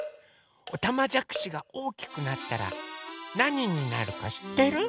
おたまじゃくしがおおきくなったらなにになるかしってる？